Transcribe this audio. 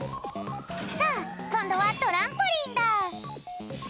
さあこんどはトランポリンだ。